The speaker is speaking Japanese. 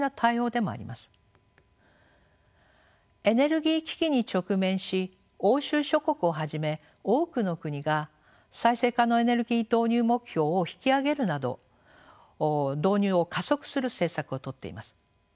エネルギー危機に直面し欧州諸国をはじめ多くの国が再生可能エネルギー導入目標を引き上げるなど導入を加速する政策をとっています。